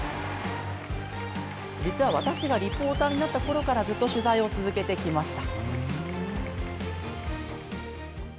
私がリポーターになったころからずっと取材を続けてきました。